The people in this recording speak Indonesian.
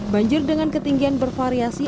banjir dengan ketinggian bervariasi